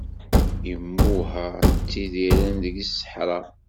Imuha tidiren deg seḥra.